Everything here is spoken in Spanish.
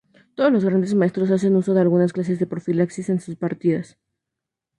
Todos los grandes maestros hacen uso de alguna clase de profilaxis en sus partidas.